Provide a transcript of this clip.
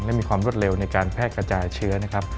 และมีความรวดเร็วในการแพร่กระจายเชื้อนะครับ